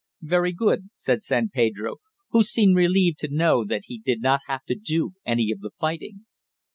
"Very good," said San Pedro, who seemed relieved to know that he did not have to do any of the fighting.